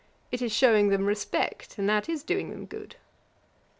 It is shewing them respect, and that is doing them good.'